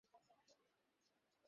আপনারা কি জানতে আগ্রহী?